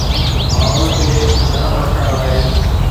ماحول کي گرم رکڻ لاءِ